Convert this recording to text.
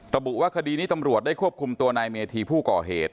ระบุว่าคดีนี้ตำรวจได้ควบคุมตัวนายเมธีผู้ก่อเหตุ